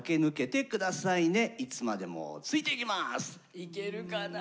いけるかな。